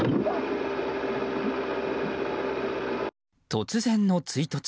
突然の追突。